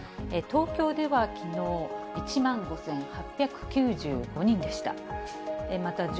東京ではきのう、１万５８９５人でした。